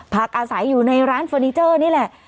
พักอาศัยอยู่ในร้านเฟอร์นิเจอร์นี่แหละ